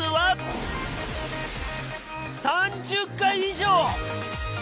３０回以上！